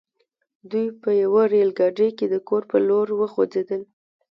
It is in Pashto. دوی په يوه ريل ګاډي کې د کور پر لور وخوځېدل.